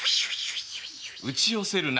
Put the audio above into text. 打ち寄せる波。